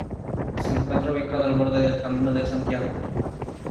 Se encuentra ubicado al borde del Camino de Santiago.